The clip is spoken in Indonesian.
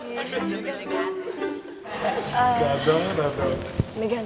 serta juga supaya kita bisa situs dimana mana